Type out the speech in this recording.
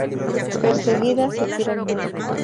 Perseguida, se tira al mar.